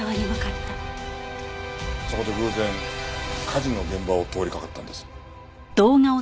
そこで偶然火事の現場を通りかかったんです。